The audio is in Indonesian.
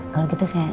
kalau gitu saya